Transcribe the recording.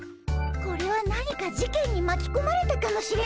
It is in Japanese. これは何か事件にまきこまれたかもしれないねえ。